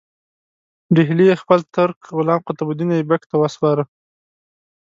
ډهلی یې خپل ترک غلام قطب الدین ایبک ته وسپاره.